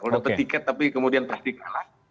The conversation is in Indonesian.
kalau dapat tiket tapi kemudian pasti kalah